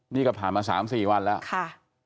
นี่ก็ผ่านมา๓๔วันแล้วค่ะ